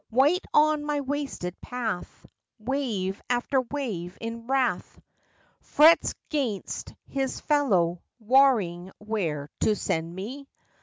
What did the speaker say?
White on my wasted path Wave after wave in wrath Frets 'gainst his fellow, warring where to send me.